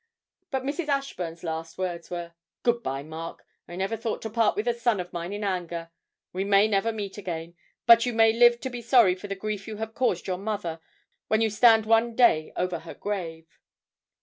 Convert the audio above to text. But Mrs. Ashburn's last words were, 'Good bye, Mark. I never thought to part with a son of mine in anger; we may never meet again, but you may live to be sorry for the grief you have caused your mother, when you stand one day over her grave.'